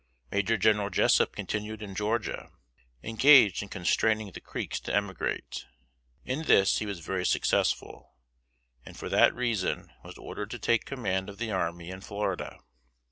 Major General Jessup continued in Georgia, engaged in constraining the Creeks to emigrate. In this he was very successful, and for that reason was ordered to take command of the army in Florida.